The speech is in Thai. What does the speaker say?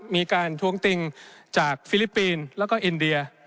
มีการทวงติงจากฟิลิปปีนและก็อินเดีย